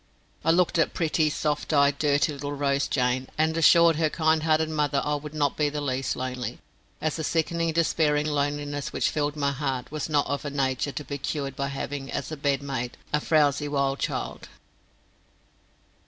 I looked at pretty, soft eyed, dirty little Rose Jane, and assured her kind hearted mother I would not be the least lonely, as the sickening despairing loneliness which filled my heart was not of a nature to be cured by having as a bedmate a frowzy wild child.